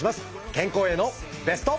健康へのベスト。